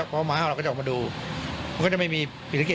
เพราะที่ยังมีกระโหลกศีรษะด้วย